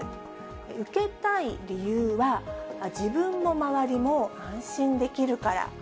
受けたい理由は、自分も周りも安心できるから。